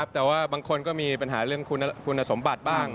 แต่ว่าบางคนก็มีปัญหาเรื่องคุณสมบัติบ้าง